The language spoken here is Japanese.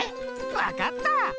わかった。